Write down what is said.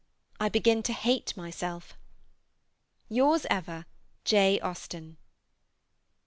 I begin to hate myself. Yours ever, J. AUSTEN.